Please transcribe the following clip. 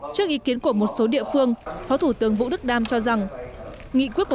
trước ý kiến của một số địa phương phó thủ tướng vũ đức đam cho rằng